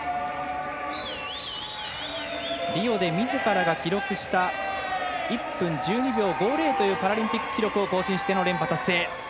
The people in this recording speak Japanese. リオでみずからが記録した１分１２秒５０というパラリンピック記録を更新しての連覇達成。